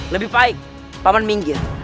lebih baik paman minggir